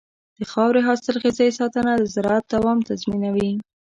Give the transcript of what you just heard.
د خاورې حاصلخېزۍ ساتنه د زراعت دوام تضمینوي.